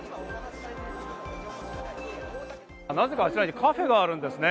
なぜかあちらにカフェがあるんですね。